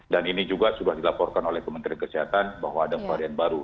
dan ini juga sudah dilaporkan oleh kementerian kesehatan bahwa ada varian baru